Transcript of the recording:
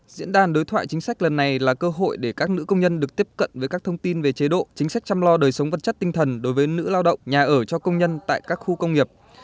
diễn đàn đối thoại chính sách lần này là cơ hội để các nữ công nhân được tiếp cận với các thông tin về chế độ chính sách chăm lo đời sống vật chất tinh thần đối với nữ lao động nhà ở cho công nhân tại các khu công nghiệp